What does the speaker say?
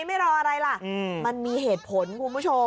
มันมีเหตุผลคุณผู้ชม